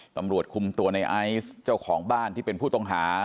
ตำรวจคุมตัวในไอซ์เจ้าของบ้านที่เป็นผู้ต้องหา